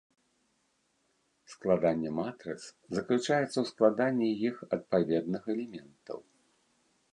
Складанне матрыц заключаецца ў складанні іх адпаведных элементаў.